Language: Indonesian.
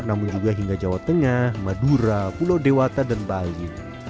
namun juga hingga jawa tengah madura pulau dewata dan bali